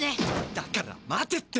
だから待てって。